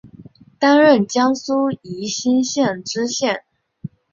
担任江苏宜兴县知县。